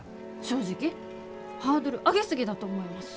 正直ハードル上げ過ぎだと思います。